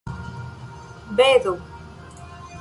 bedo